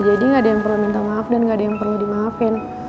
jadi gak ada yang perlu minta maaf dan gak ada yang perlu dimaafin